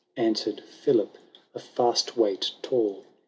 Answered Philip of Fastbwaite tall.